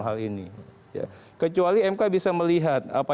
hal ini kecuali mk bisa melihat